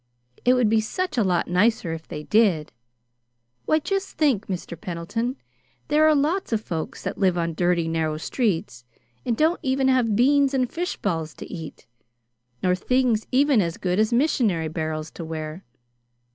It would be such a lot nicer if they did! Why, just think, Mr. Pendleton, there are lots of folks that live on dirty, narrow streets, and don't even have beans and fish balls to eat, nor things even as good as missionary barrels to wear.